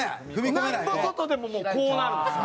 なんぼ外でももうこうなるんですよ。